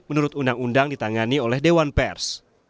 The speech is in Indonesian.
menurut undang undang ditangani oleh dewan pers